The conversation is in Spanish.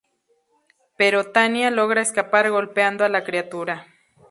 Pero Tanya logra escapar golpeando a la criatura.